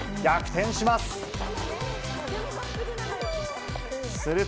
逆転します。